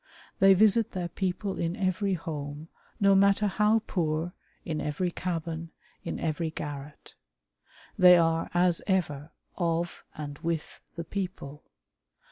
They visit their people in every home, no matter how poor, in every cabin, in every garret. They are, as ever, of and with the people.